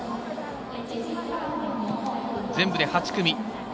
全部で８組。